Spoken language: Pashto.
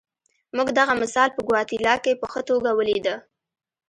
موږ دغه مثال په ګواتیلا کې په ښه توګه ولیده.